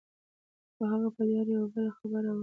خو هغه په دې اړه يوه بله خبره وکړه.